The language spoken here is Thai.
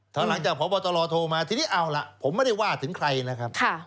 ถ้าหลังจากพบตรโทรมาทีนี้เอาล่ะผมไม่ได้ว่าถึงใครนะครับ